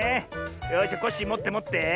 よしじゃコッシーもってもって。